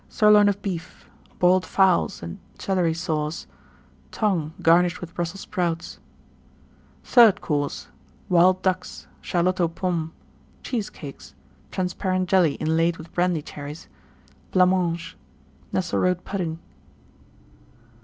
Sirloin of Beef. Boiled Fowls and Celery Sauce. Tongue, garnished with Brussels Sprouts. THIRD COURSE. Wild Ducks. Charlotte aux Pommes. Cheesecakes. Transparent Jelly, inlaid with Brandy Cherries. Blancmange. Nesselrode Pudding.